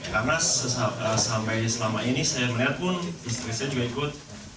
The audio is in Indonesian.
karena sampai selama ini saya melihat pun istri saya juga ikut